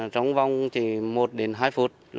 trong vòng chỉ một đến hai phút